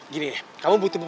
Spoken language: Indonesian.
gini deh kamu butuh